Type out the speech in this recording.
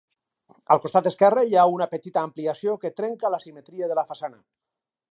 Al costat esquerre hi ha una petita ampliació que trenca la simetria de la façana.